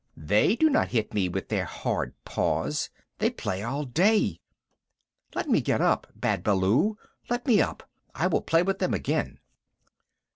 They do not hit me with their hard paws. They play all day. Let me get up! Bad Baloo, let me up! I will play with them again."